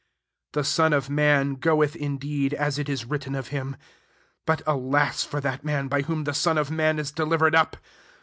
24 The Son of man goeth indeed, as it is written of him : but alas Ibr that man by whom the Son of man is delivered up